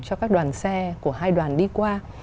cho các đoàn xe của hai đoàn đi qua